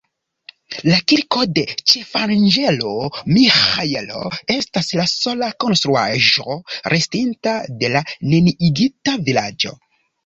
La Kirko de Ĉefanĝelo Miĥaelo estas la sola konstruaĵo, restinta de la neniigita vilaĝo.